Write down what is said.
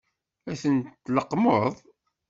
Ad ten-tleqqmeḍ?